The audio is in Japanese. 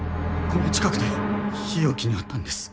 この近くで日置に会ったんです。